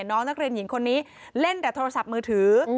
น้องนักเรียนหญิงคนนี้เล่นแต่โทรศัพท์มือถือ